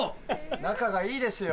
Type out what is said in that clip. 中がいいですよ。